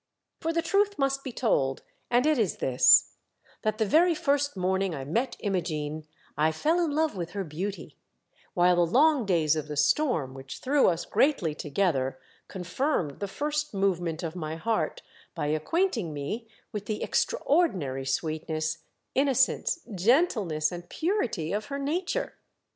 For the truth must be told, and it is this: that the very first morning I met Imogene I fell in love with her beauty, while the long days of the storm which threw us greatly together confirmed the first movement of my heart by acquainting me with the extra ordinary sweetness, innocence, gentleness and purity of her nature.